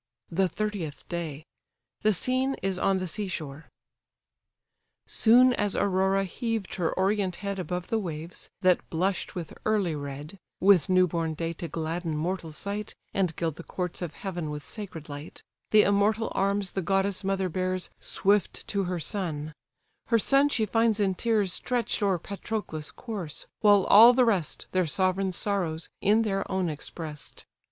The thirtieth day. The scene is on the sea shore. Soon as Aurora heaved her Orient head Above the waves, that blush'd with early red, (With new born day to gladden mortal sight, And gild the courts of heaven with sacred light,) The immortal arms the goddess mother bears Swift to her son: her son she finds in tears Stretch'd o'er Patroclus' corse; while all the rest Their sovereign's sorrows in their own express'd.